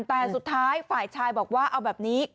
แต่สุดท้ายฝ่ายชายบอกว่าเอาแบบนี้